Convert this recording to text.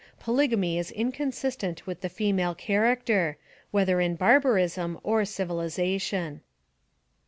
Polygamy is inconsistent with the female character, whether in barbarism or civilization.